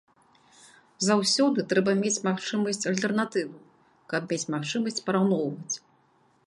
Заўсёды трэба мець магчымасць альтэрнатывы, каб мець магчымасць параўноўваць.